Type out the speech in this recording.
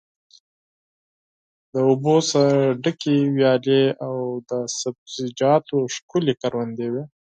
له اوبو څخه ډکې ویالې او د سبزیجاتو ښکلې کروندې وې.